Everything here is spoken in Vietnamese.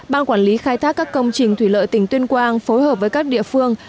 ban quản lý khai thác các công trình thủy lợi tỉnh tuyên quang phối hợp với các địa phương